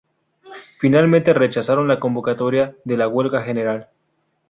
Finalmente rechazaron la convocatoria de la huelga general.